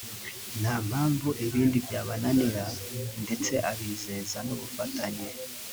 nta mpamvu ibindi byabananira ndetse abizeza n’ubufatanye